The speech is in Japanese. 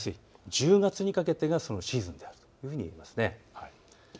１０月にかけてがそのシーズンであるということですね。